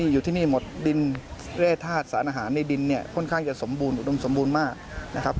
อยู่ที่นี่หมดดินแร่ธาตุสารอาหารในดินเนี่ยค่อนข้างจะสมบูรณอุดมสมบูรณ์มากนะครับ